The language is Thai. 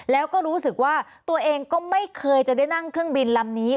แล้วก็รู้สึกว่าตัวเองก็ไม่เคยจะได้นั่งเครื่องบินลำนี้